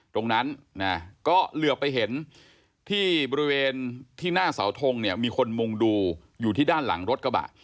ตรงนั้นนะก็เหลือไปเห็นที่บริเวณที่หน้าเสาทงเนี่ยมีคนมุงดูอยู่ที่ด้านหลังรถกระบะ